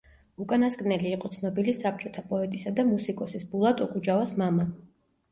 უკანასკნელი იყო ცნობილი საბჭოთა პოეტისა და მუსიკოსის ბულატ ოკუჯავას მამა.